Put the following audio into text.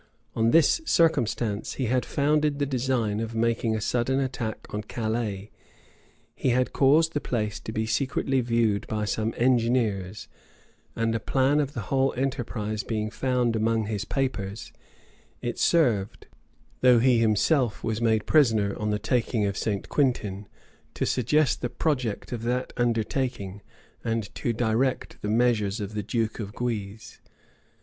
On this circumstance he had founded the design of making a sudden attack on Calais; he had caused the place to be secretly viewed by some engineers; and a plan of the whole enterprise being found among his papers, it served, though he himself was made prisoner on the taking of St. Quintin, to suggest the project of that undertaking, and to direct the measures of the duke of Guise.